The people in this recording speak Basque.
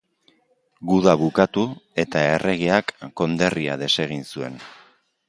Guda bukatu eta erregeak konderria desegin zuen.